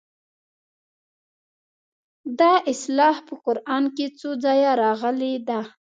دا اصطلاح په قران کې څو ځایه راغلې ده.